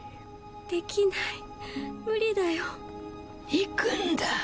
「行くんだ。